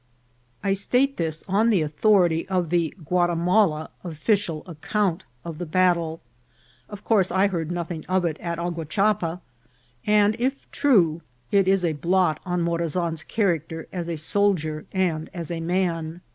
I state this on the authority of the Guatimala official account of the battle — of course I heard nothing of it at Aguachapa — and if true, it is a blot on Morazan's character as a soldier and as a man.